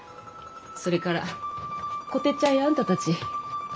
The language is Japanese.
それからこてっちゃんやあんたたち。